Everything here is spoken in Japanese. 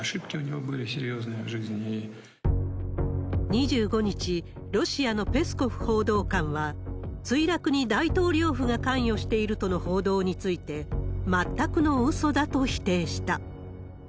２５日、ロシアのペスコフ報道官は、墜落に大統領府が関与しているとの報道について、全くのうそだと否定した。